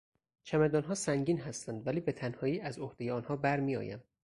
چمدانها سنگین هستند ولی به تنهایی از عهدهی آنها برمیآیم.